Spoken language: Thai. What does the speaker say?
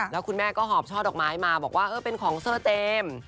แล้วคุณแม่ก็หอบช่อดอกไม้มาบอกว่าเออเป็นของเซอร์เจมส์